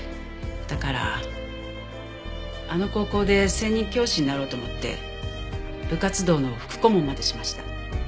だからあの高校で専任教師になろうと思って部活動の副顧問までしました。